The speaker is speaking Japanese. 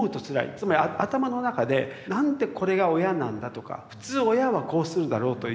つまり頭の中で「なんでこれが親なんだ」とか「普通親はこうするだろう」という。